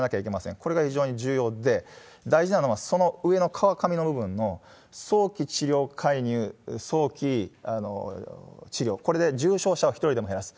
これが非常に重要で、大事なのはその上の川上の部分の早期治療介入、早期治療、これで重症者を一人でも減らす。